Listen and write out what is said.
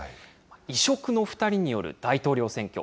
異色の２人による大統領選挙。